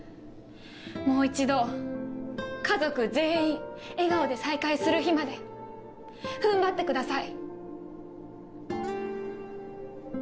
もう一度家族全員笑顔で再会する日まで踏ん張ってください。